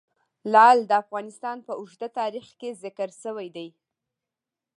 لعل د افغانستان په اوږده تاریخ کې ذکر شوی دی.